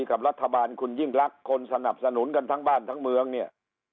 กับรัฐบาลคุณยิ่งรักคนสนับสนุนกันทั้งบ้านทั้งเมืองเนี่ย